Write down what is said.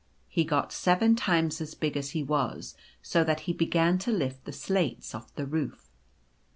He got seven times as big as he was, so that he began to lift the slates off the roof.